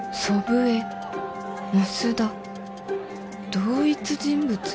同一人物？